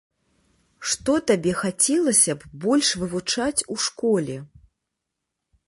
Што табе хацелася б больш вывучаць у школе?